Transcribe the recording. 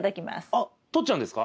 あっとっちゃうんですか？